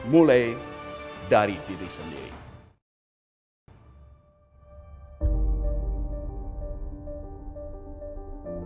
mulai dari diri sendiri